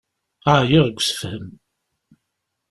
Ɛyiɣ deg usefhem.